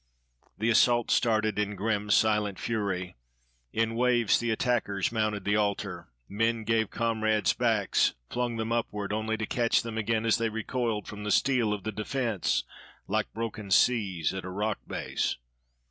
The assault started in grim, silent fury. In waves the attackers mounted the altar; men gave comrades backs, flung them upward, only to catch them again as they recoiled from the steel of the defense like broken seas at a rock base.